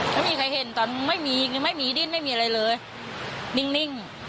ไม่มีใครเห็นตอนไม่มีไม่มีดิ้นไม่มีอะไรเลยนิ่ง